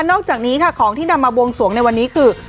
นอกจากนี้ค่ะของที่นำมาบวงสวงในวันนี้คือ